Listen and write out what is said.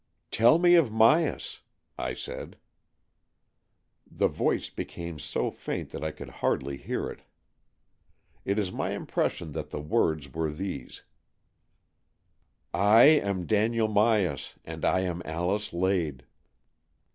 " Tell me of Myas," I said. The voice became so faint that I could hardly hear it. It is my impression that the words were these :" I am Daniel Myas and I am Alice Lade."